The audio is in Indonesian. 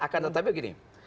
akan tetapi begini